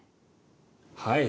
はい。